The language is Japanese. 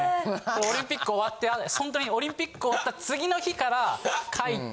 オリンピック終わってオリンピック終わった次の日から書いて。